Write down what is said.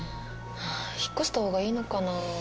引っ越したほうがいいのかな？